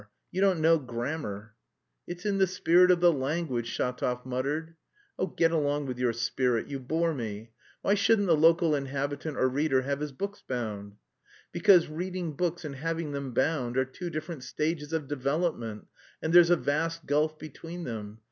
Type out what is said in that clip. You don't know grammar!" "It's in the spirit of the language," Shatov muttered. "Oh, get along with your spirit, you bore me. Why shouldn't the local inhabitant or reader have his books bound?" "Because reading books and having them bound are two different stages of development, and there's a vast gulf between them.